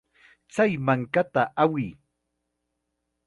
Chay mankata awiy.